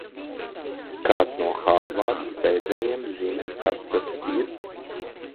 Kāds no Hārvardas beidzējiem zina, kas tas ir?